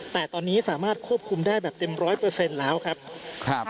แต่ตอนนี้สามารถควบคุมได้แบบเต็ม๑๐๐แล้วครับ